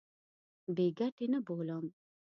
بې ګټې نه بولم.